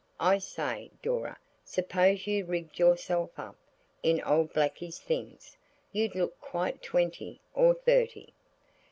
I say, Dora, suppose you rigged yourself up in old Blakie's things. You'd look quite twenty or thirty."